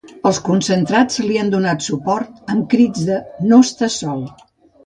Els concentrats li han donat suport amb crits de ‘No estàs sol’.